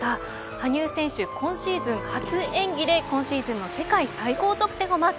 羽生選手、今シーズン初演技で今シーズンの世界最高得点をマーク。